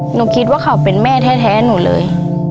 หนูคิดว่าเขาเป็นแม่แท้หนูเลย